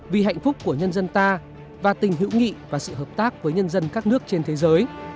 vì hạnh phúc của nhân dân ta và tình hữu nghị và sự hợp tác với nhân dân các nước trên thế giới